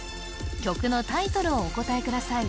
曲のタイトルをお答えください